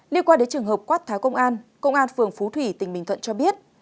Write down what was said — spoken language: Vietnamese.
liên quan đến trường hợp quát tháng công an công an phường phú thủy tỉnh bình thuận cho biết